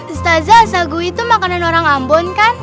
ustazah sagu itu makanan orang ambon kan